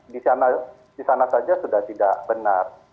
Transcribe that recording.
di sana saja sudah tidak benar